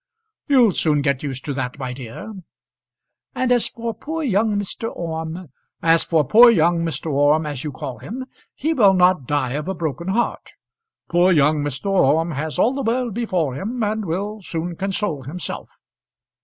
"You'll soon get used to that, my dear." "And as for poor young Mr. Orme " "As for poor young Mr. Orme, as you call him, he will not die of a broken heart. Poor young Mr. Orme has all the world before him and will soon console himself."